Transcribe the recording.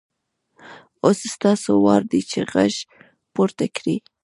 اوس ستاسو وار دی چې غږ پورته کړئ.